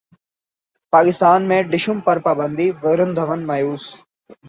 پاکستان میں ڈھشوم پر پابندی ورن دھون مایوس